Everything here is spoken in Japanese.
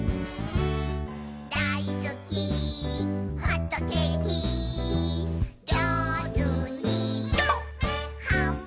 「だいすきホットケーキ」「じょうずにはんぶんこ！」